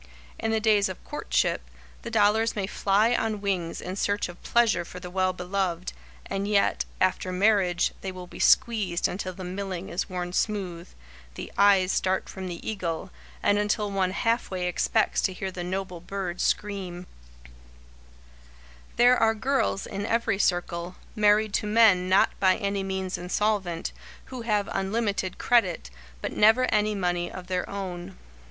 In the days of courtship, the dollars may fly on wings in search of pleasure for the well beloved, and yet, after marriage, they will be squeezed until the milling is worn smooth, the eyes start from the eagle, and until one half way expects to hear the noble bird scream. [Sidenote: Unlimited Credit] There are girls in every circle, married to men not by any means insolvent, who have unlimited credit, but never any money of their own.